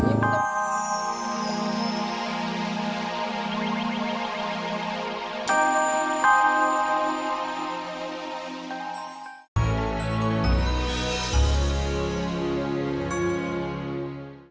informasi seperti genereng